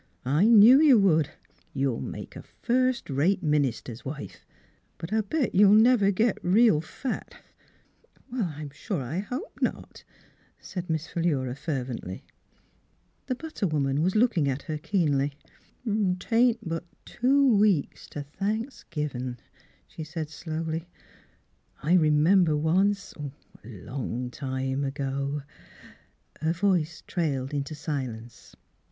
I knew you would. You'll make a firstrate minister's wife; but I'll bet you'll never git real fat." Miss Philura's Wedding Gown " I'm sure I hope not," said Miss Phi lura fervently. The butter woman was looking at her keenly. "'Tain't but two weeks t' Thanks givin'," she said slowly. " I remember once — a long time ago —" Her voice trailed into silence.